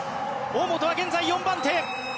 大本は現在４番手。